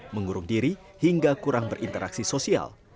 mengurung diri hingga kurang berinteraksi sosial